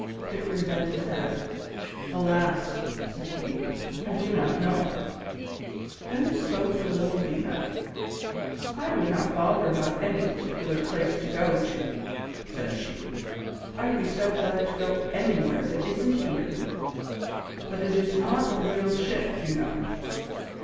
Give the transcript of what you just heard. Dickory bent his head. "Alas!" said he, "I do not know." Then spoke the little Lena. "I would not bother about any particular place to go to," said she. "I'd be so glad to go anywhere that isn't here. But it is not a real ship, you know."